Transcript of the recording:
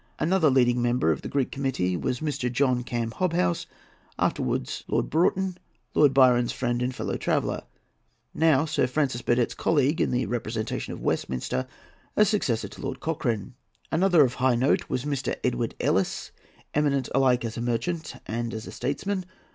Another leading member of the Greek Committee was Mr. John Cam Hobhouse, afterwards Lord Broughton, Lord Byron's friend and fellow traveller, now Sir Francis Burdett's colleague in the representation of Westminster as successor to Lord Cochrane. Another of high note was Mr. Edward Ellice, eminent alike as a merchant and as a statesman.